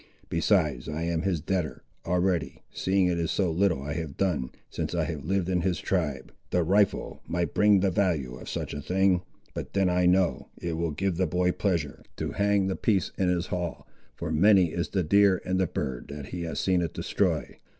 Besides I am his debtor, already, seeing it is so little I have done, since I have lived in his tribe. The rifle might bring the value of such a thing—but then I know, it will give the boy pleasure to hang the piece in his hall, for many is the deer and the bird that he has seen it destroy.